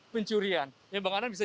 kuat tanpa getokan